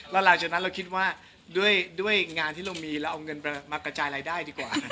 แล้วหลังจากนั้นเราคิดว่าด้วยงานที่เรามีเราเอาเงินมากระจายรายได้ดีกว่า